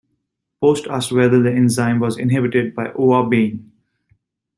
Post asked whether the enzyme was inhibited by ouabain.